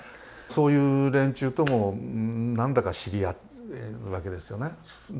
そういう連中とも何だか知り合えるわけですよね。